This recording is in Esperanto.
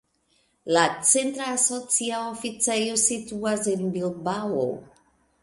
La centra asocia oficejo situas en Bilbao.